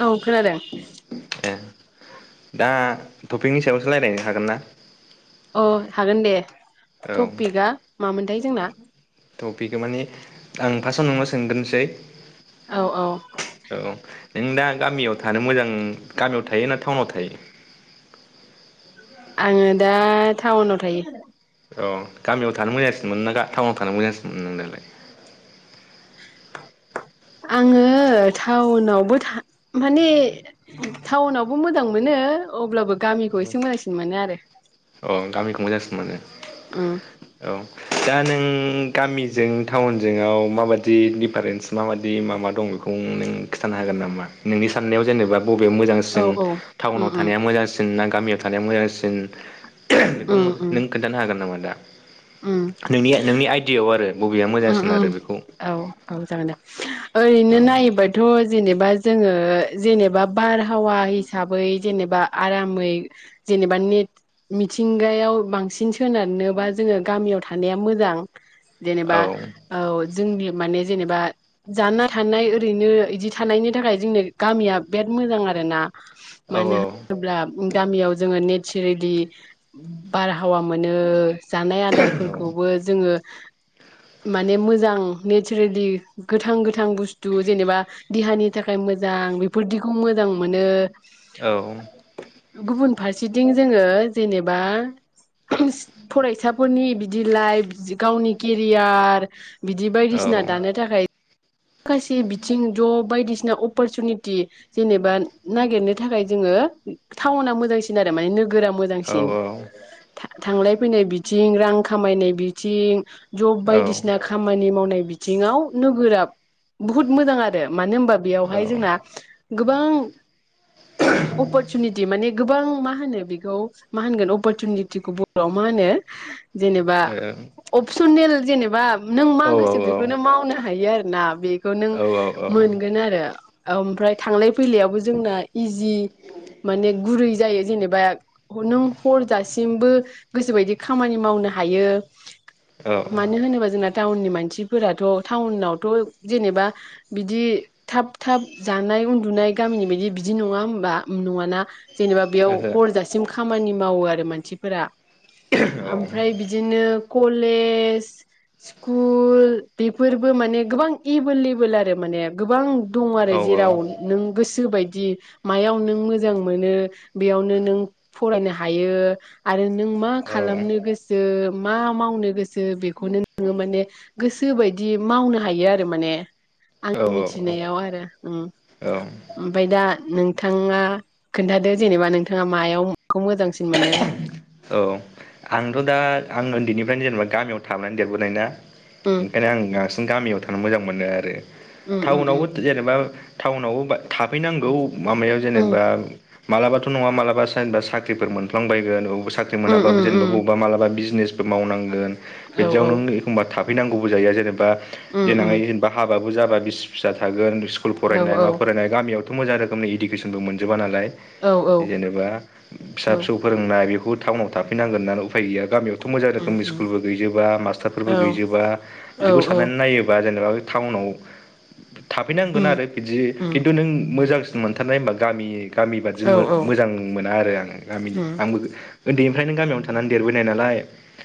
औ खोनादों। ए दा टपिकनि सायावसो रायज्लायनो हागोन ना? अ हागोन दे औ टपिकआ मामोनथाय जोंना? टपिक माने आं फासदआव नोंनाव सोंगोनसै। औ औ। औ नों दा गामियाव थानो मोजां गामियाव थायो ना टाउनाव थायो? आङो दा टाउनाव थायो। अ गामियाव थानो मोजांसिनो मोनो ना टाउनाव थानो मोजांसिन मोनो नों दखलाय? [inaudible] आङो टाउनावबो था माने टाउनावबो मोजां मोनो अब्लाबो गामिखौ एसे मोजांसिन मोनो आरो। ओं गामिखौ मोजांसिन मोनो। उम। औ। दा नों गामिजों टाउनजोंआव माबायदि दिफारेन्स माबायदि माबा दं बे खौ नों खिथानो हागोन नामा नोंनि साननायाव जेनेबा बबे मोजां औ जों औ उम टाउनाव उम थानाया मोजांसिन ना गामियाव थानाया मोजांसिन बेखौ उम उम नों खोन्थानो हागोन नामा दा उम नोंनि नोंनि आइडियायाव आरो बबेया उम मोजांसिन उम आरो बेखौ औ औ जागोन दे ओरैनो औ नायोबा थ' जेनेबा जोङो जेनेबा बारहावा हिसाबै जेनेबा आरामै जेनेबा नेट मिथिंगायाव बांसिन सोनारनोबा जोङो गामियाव थानाया मोजां। औ जेनेबा औ जोंनि माने जेनेबा जानना थानाय ओरैनो इदि थानायनि थाखाय जोंनि गामिया बेद मोजां आरो ना। मानो औ होनोब्ला बु गामियाव जोङो नेच्चेरेलि बारहावा मोनो। जानाय आदारफोरखौबो जोङो माने मोजां नेच्चेरेलि गोथां गोथां बुस्थु जेनेबा देहानि थाखाय मोजां बेफोरदिखौ मोजां मोनो औ गुबुन फारसेथिं जोङो जेनेबा फरायसाफोरनि बिदि लाइफ गावनि केरियार बार बिदि औ बायदिसिना दानो थाखाय माखासे बिथिं द' बायदिसिना अपरचुनिटि जेनेबा नागिरनो थाखाय जोङो टाउना मोजांसि सिन आरो माने नोगोरा मोजांसिन औ था-थांलाय फैनाय बिथिं रां खामायनाय बिथिं जब औ बायदिसिना खामानि मावनाय बिथिङाव नोगोराब बुहुत मोजां आरो मानो होनबा बेयावहाय जोंना गोबां अपरचुनिटि माने गोबां मा होनो बेखौ मा होनगोन अपरसचुनिटिखौ बर'आव मा होनो जेनेबा अपसनेल जेनेबा नों मा ओहो गोसो औ बेखौनो मावनो हायो आरो ना बेखौ नों औ औ मोनगोन आरो ओमफ्राय थांलाय फैलायावबो जोंना इजि माने गुरै जायो जेनेबा नों हर जासिमबो गोसोबायदि खामानि मावनो हायो मानो होनोबा जोंना टाउननि मानसिफोराथ' टाउनावथ' जेनेबा बिदि थाब थाब जानाय उन्दुनाय गामिनि बायदि बिदि नङा होमबा नङाना जेनेबा बेयाव औ हरजासिम खामानि मावो आरो मानसिफोरा आमफ्राय बिद दिनो कलेज स्कुल बेफोरबो माने गोबां एभेलेबोेल आरो माने गोबां दङ आरो जेराव नों गोसो बायदि मायाव नों मोजां मोनो बेयावनो नों फरायनो हायो आरो नों मा खालामनो गोस सो मा मावनो गोसो बेखौनो नोङो माने गोसो बायदि मावनो हायो आ रो माने आंनि मिथिनायाव आरो उम औ ओमफाय दा नोंथाङा खोन्थादो जेनेबा नोंथाङा मायावखौ मोजांसिन मोनो औ आंथ' दा आं उन्दैनिफ्रायनो जेनेबा गामियाव थाबोनानै देरबोनाय ना उम ओंखायनो आं बांसिन गामियाव थानो मोजां मोनो आरो उम उम उम टाउनावबो जेनेबा टाउनावबो बा थाफैनांगौ माबायाव उम जेनेबा मालाबाथ' नङा मालाबा जेनबा साख्रिफोर मोनफ्लांबायगोन अबा साख्रि उम मोनाबो उम जेनेबा उम बबावबा मालाबा बिजनेस मावनांगोन औ बिदिआव औ नों एखनबा थाफैनांगौबो जायो जेनबा उम देनांहाय उम हा बाबो जाबा बिसि फिसा थागोन स्कुल औ फरायनाय औ मा फरायनाय गामियाव थ' मोजां रोखोमनि इडुकेसनबो मोनजोबा नालाय औ जेनेबा फिसा औ फिसौ फोरोंनाय बेखौ टाउनाव थाफैनांगोन ना उफाय गैया गामियाव थ' मोजां उम रोखोमनि उम स्कुलबो गैजोबा मास्टारफोरबो औ गैजोबा औ बिदिखौ औ साननानै नायोबा जेनेबा बे टाउनाव थाफैनांगोन उम आरो बिदि उम खिन्थु नों मोजां मोनथारनाय होनबा गामि गामि बादि औ औ मो-मोजां मोना आरो आं गामिनि उम आंबो ओन्दैनिफ्रायनो गामियाव थानानै देरबोनाय नालाय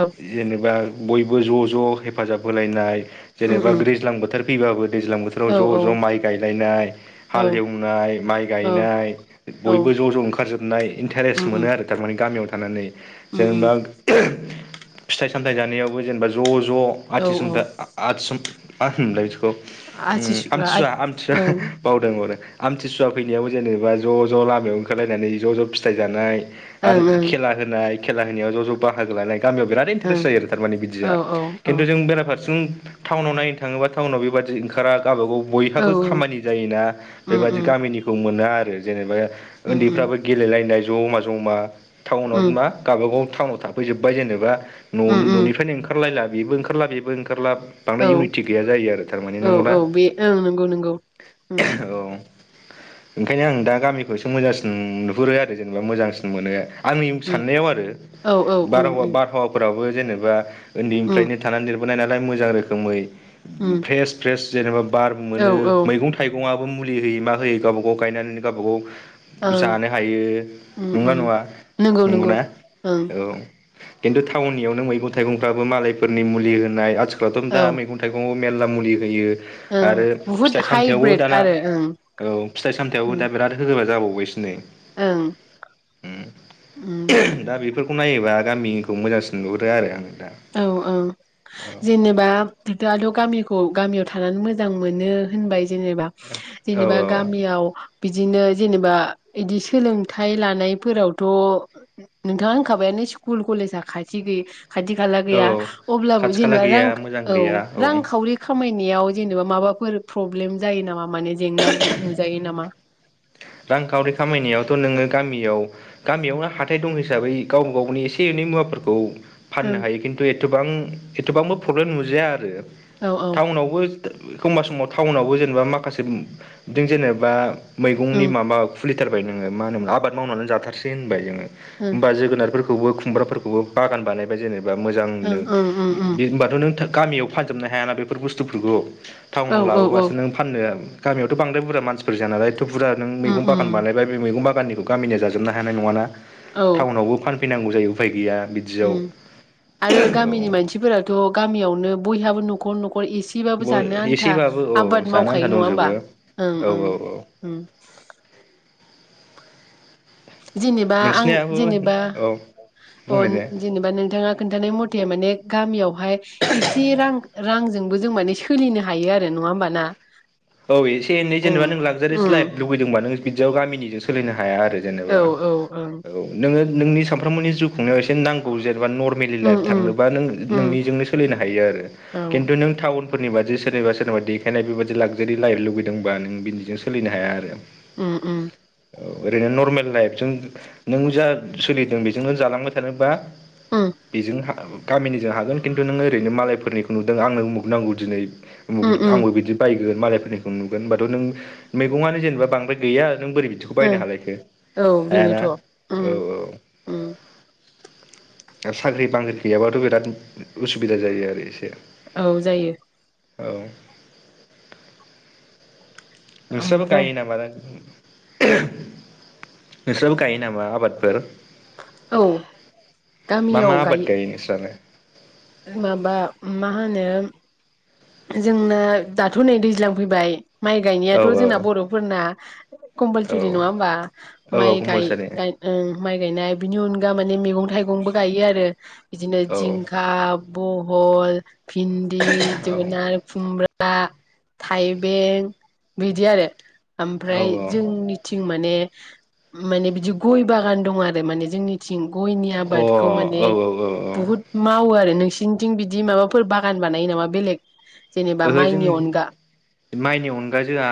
ओबफ जेनेबा बयबो ज' ज' हेफाजाब होलायनाय उम जेनेबा उम ग्रिज्लां बोथोर फैबाबो दैज्लां बोथोराव औ ज' औ ज' माइ गायलायनाय औ हालेवनाय माइ औ उम गायनाय बयबो ज' ज' ओंखारजोब नाय इन्टारेस्ट उम मोनो आरो थारमाने गामियाव थानानै उम उम जेनेबा [unintelligible] फिथाइ सामथाइ जानायावबो जेनेबा ज' ज' औ औ आथिसुन्था आदथिसम मा होनोमोनलाय बिदिखौ उम आथिसुवा आथ आमथिसुवा आमथिुवा औ ओं बावदों बावदों आमथिसुवा फैनायावबो जेनेबा ज' ज' लामायाव ओंखारलायनानै ज' ज' फिथाइ जानाय आरो ओं ओं खेला होनाय खेला होनायाव ज' ज' बाहागो लानाय गामियाव बिराद बिराद इन्टारेस्ट जायो आरो थारमाने औ बिदिया औ खिन्थु जों बेराफारसेजों थावनाव नायनो थाङोबा थावनाव बेबादि ओंखारा गावबागाव औ बयहाबो उम खामानि जायोना बेबादि उम गामिनिखौ मोना आरो जेनेबा उम ओन्दैफ्राबो गेलेलायनाय ज'मा ज'मा थाउनाव उम मा गावबागाव थाउनाव थाफैजोबाय जेनेबा न'नि उम उम न'निफ्रायनो ओंखारलायला बेबो ओंखारला बेबो ओंखारला बांद्राय औ इउनिटि गैया जायो आरो तारमाने औ नंगौ ना औ बे ओं नंगौ नंगौ उम [unintelligible] औ ओंखायनो आं दा गामिखौसो मोजांसिन नुहुरो आरो जेनेबा मोजांसिन मोनो आंनि उम साननायाव आरो औ औ उम बारहावा उम बारहावाफोराबो जेनेबा उम उन्दैनिफ्रायनो थानानै देरबोनाय नालाय मोजां रोखोमै उम फ्रेस फ्रेस जेनेबा बार औ मोनो औ मैगं था थाइगंआबो मुलि होयै मा होयै गावबागाव गायनानै गावबागाव ओं जानो हायो उम नंना उम नङा नंगौ नंगौ नंगौना? ओं औ खिनत्तु थाउननियावनो मैगं थाइगंफ्राबो मालायफोरनि मुलि होनाय आथिखालावथ' औ दा मैगं थाइगंआव मेलला मुलि होयो ओं आरो बुहुद फिथाइ सामथायाइावबो हाइब्रिद दाना आरो ओं औ फिथाइ सामथायावबो दा उम बिराद होबा जाबावबायसो नै ओं उम दा बेफोरखौ नायोबा गामिनिखौ मोजांसिन नुहरो आरो आरो नोंथां औ औ जेनेबा बिथांआथ' गामिखौ गामियाव थानानै मोजां मोनो होनबाय जेनेबा औ जेनेबा औ गामियाव बिदिनो जेनेबा इदि सोलोंथाइ लानायफोरावथ' नोंथाङा होनखाबायानो स्कुल कलेजा खाथि गैयि खाथि खाला औ गैया अब्लाबो खाथि खाला जेनेबा रां गैया मोजां औ गैया औ रांखावरि खामायनायाव जेनेबा माबाफोर प्रब्लेम जायो नामा माने जेंना नुजायो नामा? रांखावरि खामायनायावथ' नोङो गामियाव गामियावनो हाथाइ दं हिसाबै गावबा गावनि एसे एनै मुवाफोरखौ ओं फाननो हायो खिन्तु एथबां एथबांबो प्रब्लेम नुजाया आरो औ औ थाउनावबो एखबा समाव थाउनावबो जेनेबा माखासे बिदि जेनेबा मै गंनि उम माबा खुलिथारबाय नोङो मा होनोमोन आबाद मावनानै जाथारसै होनबाय जोङो उम होमबा जोगोनारफोरखौ खौबो खुमब्राफोरखौबो बागान बानायबाया जेनेबा ओं मोजांनो ओं उम उम बे होनबाथ' नों गामियाव फानजोबनो हायाना बेफोर बुस्थुफोरखौ औ थाउनाव औ औ लाबोबासो नों फाननो गामियावथ' बांद्राय बुरजा मानसिफोर जाया नाला एथ' बुरजा नों उम मैगं बागान उम बानाय बे मैगं बागाननिखौ गामिनिया जाजोबनो हानाय नङाना औ टाउनावबो फानफैनांगौ जायो उफाय गैया बि उम आरो गामिनि मानसिफोराथ' गामियावनो बयहाबो न'खर न'खर एसे सिबाबो बय जानो आन्था एसेबाबो औ आबाद जानो आन्था मावखायो नङा होमबा दंजोबो ओं औ ओं ओं जेनेबा आं नोंसिनियाबो जेनेबा औ अ बुंनाय दे जेनेबा नोंथाङा खोन्थानाय मथे माने गामियावहाय एसे रां रांजोंबो जों माने सोलिनो हायो आरो नङा होमबा ना? औ एसे एनै ओं जेनेबा नों लागजारियास उम लाइफ लुबैदोंबा नों बिदियाव गामिनिजों सोलिनो हाया आरो। औ जेनेबा औ ओं औ नोङो नोंनि सानफ्रोमबोनि जिउ खुंनायाव एसे नांगौ जेनेबा नर फेमिलि उम लाइफ उम थांनोबा नों उम नोंनिजोंनो सोलिनो हायो आरो औ खिन्थु नों टाउन फोरनिबादि सोरनिबा सोरनिबा देखायनाय बेबादि लागजारि लाइफ लुगैदोंबा नों बिदिजों सोलिनो हाया आरो उम उम औ ओरैनो नर्मेल लाइफजों नों जा सोलिदों बेजोंनो जालांबाय थानोबा उम बेजोंनो हा गामिनिजों हागोन खिन्तु नोङो ओरैनो मालायफोरनिखौ नुदों आंनो उमुग नांगौ दिनै उमुग उम उम आंबो बिदि ओ मालायफोरनिखौ नुगोन होनबाथ नों मैगंआनो जेनेबा बांद्राय गैया बोरै बिदिखौ ओं बायनो हालायखो औ हायाना बेनोथ' उम औ औ उम आरो साख्रि बाख्रि गैयाबाथ' बिराद उसुबिदा जायो आरो एसे। औ जायो। औ नोंस्राबो ओमफ्राय गायो नामा दा? नोंस्राबो गायो नामा आबादफोर? औ मा मा आबाद गायो नोंस्रालाय? माबा मा होनो जोंना दाथ' नै दैज्लां फैबाय माइ औ गायनायाथ' जोंना बर'फोरना औ कम्पालसुरि नङा होमबा औ माइ औ गाय कम्पालसारि गाय माइ गायनाय बिनि अनगा माने मैगं थाइगंबो गायो आरो बिदिनो औ जिंखा बहल, भिन्दि, औ आरो खुमब्रा, थाइबें बिदि आरो। अ औ ओमफ्राय जोंनिथिं माने माने बिदि गय बागान दं आरो माने जोंनि थिं गयनि आबादखौ औ माने औ औ बहुद मावो आरो नोंसिनिथिं बिदि माबाफोर बागान बानायो नामा बेलेग जेनेबा ओहो माइनि जोंनि अनगा माइनि अनगा जोंहा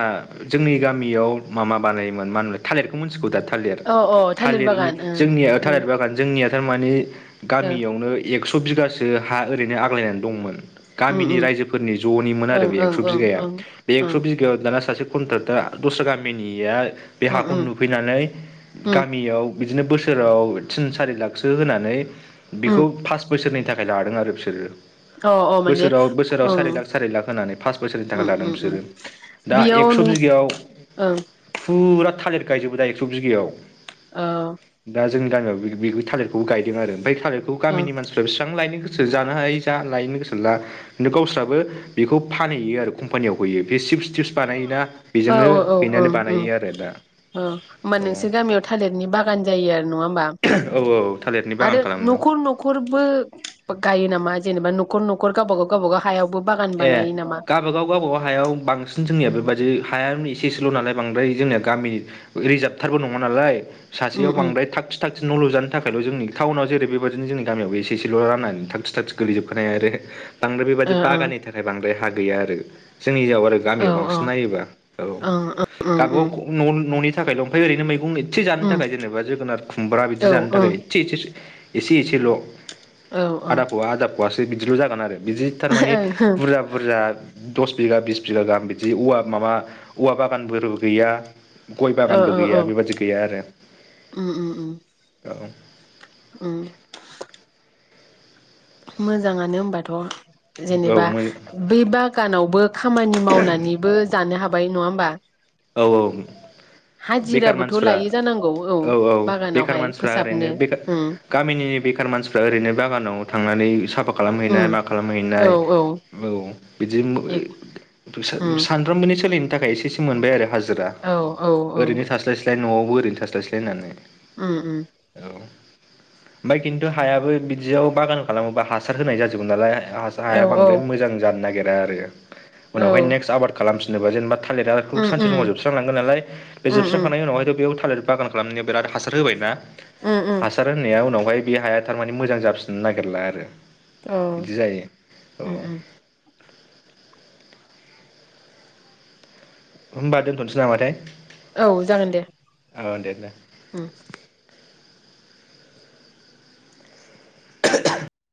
जोंनि गामियाव माबा बानायोमोन मा होनोमोनलाय थालिरखौ मिथिगौ दा थालिर औ औ थालिर थालिरनि बागान ओं जोंनिया थालिर बागान जोंनिया थारमानि उम गामियावनो एक्स' बिगासो हा ओरैनो आग्लायनानै दंमोन गामिनि राइजो फोरनि जनिमोन ओ आरो उम बे एक्स उम ओं बिगाया ओं बे ओं एकस' बि दाना सासे कनथ्राकथारा दस्रा गामिनिया बे उम हाखौ नुफैनानै उम गामियाव बिदिनो बोसोराव थिन सारि लाखसो होनानै उम बिखौ फास बोसोरनि थाखाय लादों आरो बिसोरो। अ अ माने बोसोराव बोसोराव ओं सारि लाख सारि लाख होनानै फास बोसोरनि थाखाय उम लादों उम बिसोरो दा बेयाव एक्स' नों बिगायाव ओं फुरा थालिर गायजोबो दा एक्स' बिगायाव। औ दा जोंनि गामियाव थालिरखौबो गायदों आरो ओमफ्राय थालिरखौ ओं गामिनि मानसि बेसेबां लायनो गोसो जानो हायो जा लायनो गोसो ला माने गावस्रा बो बेखौ फानहैयो आरो कम्पानियाव हैयो बे चिपस टिपस बानायोना औ बेजोंनो औ हैनानै ओं ओं औ बानायो आरो दा होमबा औ। नोंसोर गामियाव थालिरनि बागान जायो आरो नङा होमबा औ औ थालिरनि बागान आरो नखर, खालामदों नखर न'खरबो गायो नामा जेनेबा न'खर न'खर गावबा गाव गावबा गाव हायाव ए गा गाबागाव गावबागाव हायाव बांसिन जोंनिया बेबादि हायानो एसे एसेल' नालाय बांद्राय जोंनिया गामि रिर्जाबथारबो नङा नालाय उम सासेयाव उम बांद्राय थाग थागथि न' लुजानो थाखायल' जोंनि टाउनाव जेरै बेबायदिनो जोंनि गामियावबो एसे एसेल' राननानै थागथि थागथि गोलैजोबखानाय आरो बांद्राय बेबादि ओ ओं बागाननि थाखाय बांद्राय हा गैया आरो जोंनि जायगायाव आरो औ गामियाव बांसिन नायोबा औ ओं ओं ओं उम गावबागाव न' न'नि थाखायल' ओमफ्राय ओरैनो मैगं एसे जानो उम थाखाय जेनेबा जोगोनार खुमब्रा बिदि औ जानो ओं औ थाखाय एसे एसे एसे एसेल' ओं ओं आदा फुवा आदा फुवासो बिदिल' जागोन आरो बिदि थारमाने ओं बुरजा बुरजा दस बिगा बिस बिगा गाहाम बिदि औवा माबा औवा बागानफोरबो गैया। गय औ बागानबो औ गैया औ बेबादि गैया आरो उम उम उम औ। उम मोजाङानो होनबाथ' औ जेनेबा बै बागानावबो खामानि मावनानैबो जानो हाबाय नङा होमबा। औ औ बेखार हाजिराबोथ' मानसिफ्रा लायो जानांगौ औ औ बेखार बागानावहाय मानसिफ्रा ओरैनो फोसाबनो बेखार उम गामिनि बेखार मानसिफ्रा ओरैनो बागानाव थांनानै साफा खालामहैनाय उम मा खालामहैनाय औ बिदि ए उम सान [unintelligible] सानफ्रामबोनि सोलिनो थाखाय एसेसो मोनबाय आरो हाजिरा औ औ औ ओरैनो थास्लाय फ्राय न'आवबो ओरैनो थास्लायस्लाय होननानै उम उम औ ओमफ्राय खिन्थु हायाबो बिदियाव बागान खालामोबा हासार होनाय जाजोबो नालाय हा औ हाया औ बांद्राय मोजां जानो नागिरा आरो औ उनावहाय नेक्स्ट आबाद खालामफिनोबा जेनेबा थालिरा खौ उम सानसे समाव उम जोबस्रांलांगोन नालाय बे उम जोबस्रांखांनायनि उनावहायथ' बेयाव थालिर बागान खालामनो बिराद हासार होबाय बा उम उम हासार होनाया उनावहाय बे हाया थारमाने मोजां जाफिननो नागिरला आरो औ बिदि जायो औ उम उम होमबा दोनथ'नोसै नामाथाय औ जागोन दे औ दे दा उम [inaudible]